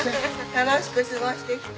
楽しく過ごしてきて。